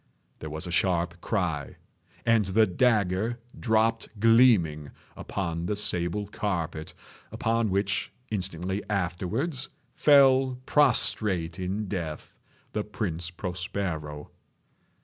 There was a sharp cry—and the dagger dropped gleaming upon the sable carpet, upon which, instantly afterwards, fell prostrate in death the Prince Prospero.